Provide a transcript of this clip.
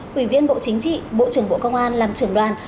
quỷ viên bộ chính trị bộ trưởng bộ công an làm trưởng đoàn